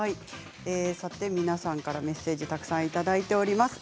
皆さんからメッセージたくさんいただいております。